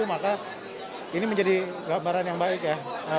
maka ini menjadi gambaran yang baik ya